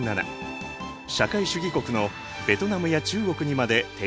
社会主義国のベトナムや中国にまで展開している。